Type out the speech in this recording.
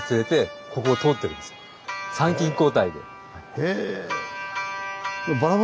へえ！